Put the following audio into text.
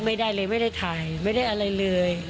ไม่ได้เลยไม่ได้ถ่ายไม่ได้อะไรเลย